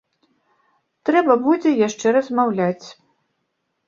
Трэба будзе яшчэ размаўляць.